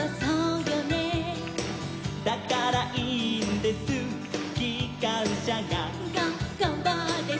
「だからいいんですきかんしゃが」